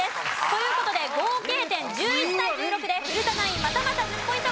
という事で合計点１１対１６で古田ナイン